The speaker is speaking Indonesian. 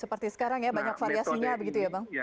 seperti sekarang ya banyak variasinya begitu ya bang